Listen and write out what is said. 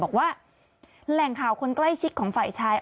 บอกว่าแหล่งข่าวคนใกล้ชิดของฝ่ายชาย